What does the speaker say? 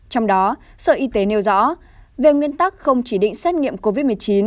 trong đó sở y tế nêu rõ về nguyên tắc không chỉ định xét nghiệm covid một mươi chín